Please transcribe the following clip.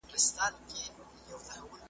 هدیره مي د بابا ده پکښي جوړه .